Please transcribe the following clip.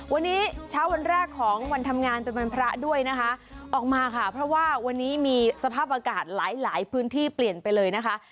วันนี้เช้าวันแรกของวันทำงานเป็นวันพระด้วยนะคะออกมาค่ะเพราะว่าวันนี้มีสภาพอากาศหลายหลายพื้นที่เปลี่ยนไปเลยนะคะ